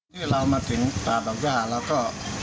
ที่เรามาถึงต่าดอกญาแล้วก็